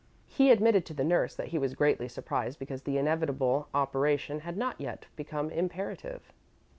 He admitted to the nurse that he was greatly surprised because the inevitable operation had not yet become imperative.